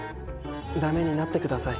ダメになってください。